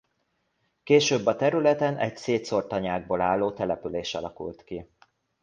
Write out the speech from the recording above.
Később a területen egy szétszórt tanyákból álló település alakult ki.